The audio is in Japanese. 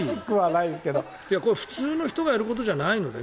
普通の人がやることじゃないのでね。